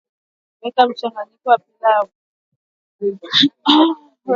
weka mchanganyiko wa pilau